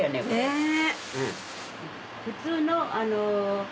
ねぇ。